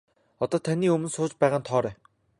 Одоо таны өмнө сууж байгаа нь Тоорой.